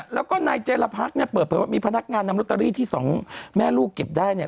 แล้วก็นายเจรพรรคเนี่ยเปิดเผยว่ามีพนักงานนำลอตเตอรี่ที่สองแม่ลูกเก็บได้เนี่ย